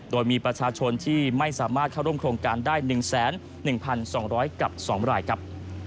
โดยมีประชาชนที่ไม่สามารถเข้าร่วมโครงการได้๑๑๒๐๐กับ๒รายครับ